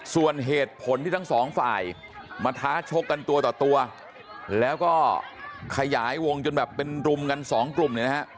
ส่วนเหตุผลที่ทั้ง๒ฝ่ายมาท้าชกกันตัวต่อแล้วก็ขยายวงจนแบบเป็นรุมกัน๒กลุ่ม